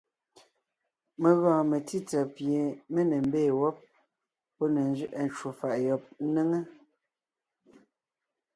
Mé gɔɔn metsítsà pie mé ne mbee wɔ́b, pɔ́ ne nzẅɛʼɛ ncwò faʼ yɔb ńnéŋe,